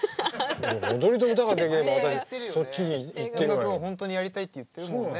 音楽が本当にやりたいって言ってるもんね。